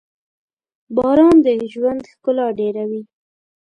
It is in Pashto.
• باران د ژوند ښکلا ډېروي.